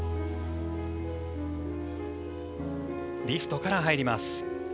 リフトから入ります。